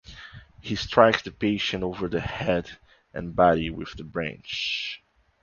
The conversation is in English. He strikes the patient over the head and body with the branch.